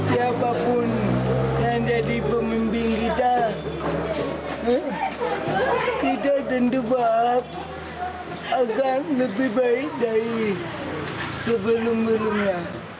siapapun yang jadi pemimpin kita kita tentu bahwa akan lebih baik dari sebelum belumnya